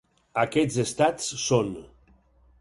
Aquests estats són: